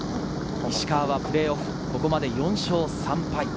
石川はプレーオフ、ここまで４勝３敗。